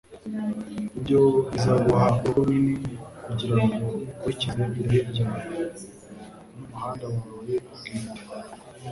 Ibyo bizaguha uruhu runini kugirango ukurikize irari ryawe n'umuhanda wawe bwite! ”